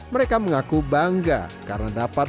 mereka menurut laut jose opah